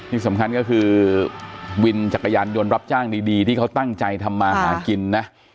ที่สำคัญก็คือวินจักรยานยนต์รับจ้างดีที่เขาตั้งใจทำมาหากินนะ